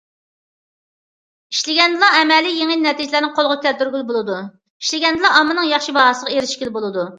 ئىشلىگەندىلا ئەمەلىي يېڭى نەتىجىلەرنى قولغا كەلتۈرگىلى بولىدۇ، ئىشلىگەندىلا، ئاممىنىڭ ياخشى باھاسىغا ئېرىشكىلى بولىدۇ.